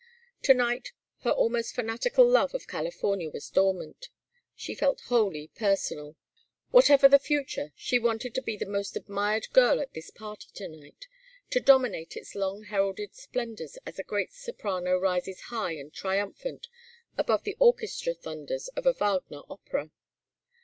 To night, her almost fanatical love of California was dormant. She felt wholly personal. Whatever the future, she wanted to be the most admired girl at this party to night, to dominate its long heralded splendors as a great soprano rises high and triumphant above the orchestral thunders of a Wagner opera.